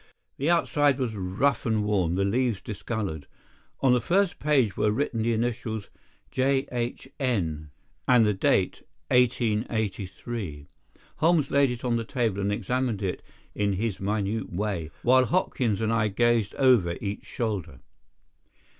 The outside was rough and worn, the leaves discoloured. On the first page were written the initials "J.H.N." and the date "1883." Holmes laid it on the table and examined it in his minute way, while Hopkins and I gazed over each shoulder.